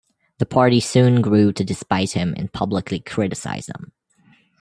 The party soon grew to despise him and publicly criticize him.